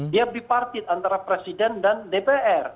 dia b partit antara presiden dan dpr